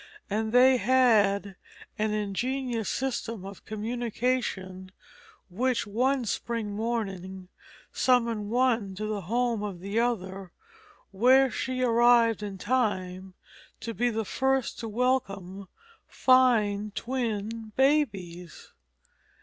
And they had an ingenious system of communication which one spring morning summoned one to the home of the other, where she arrived in time to be the first to welcome fine twin babies.